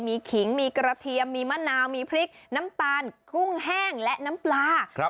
มีขิงมีกระเทียมมีมะนาวมีพริกน้ำตาลกุ้งแห้งและน้ำปลา